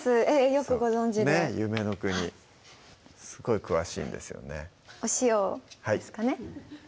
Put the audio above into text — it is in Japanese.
よくご存じで夢の国すごい詳しいんですよねお塩ですかね